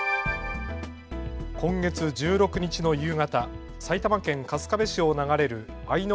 今月１６日の夕方、埼玉県春日部市を流れる会之